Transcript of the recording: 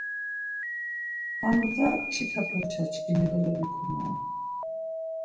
Andğa mç̌ita porçaçkimi dolobikunare.